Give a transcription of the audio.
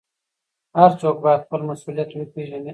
هر څوک باید خپل مسوولیت وپېژني.